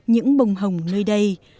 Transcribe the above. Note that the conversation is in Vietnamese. những bồng hồng nơi đây